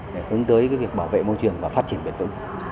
để hướng tới việc bảo vệ môi trường và phát triển bền vững